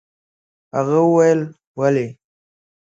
هغه وويل: ولې؟